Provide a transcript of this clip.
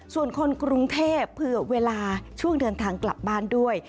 ส่วนคนกรุงเทพเผื่อเวลาช่วงเดินทางกลับบ้านด้วย